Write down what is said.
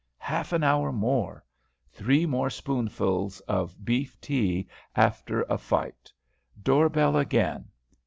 Half an hour more! Three more spoonfuls of beef tea after a fight. Door bell again.